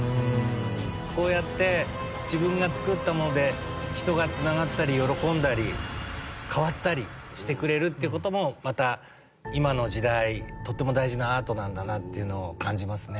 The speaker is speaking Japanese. こうやって自分が作ったもので人がつながったり喜んだり変わったりしてくれることもまた今の時代とても大事なアートなんだなと感じますね。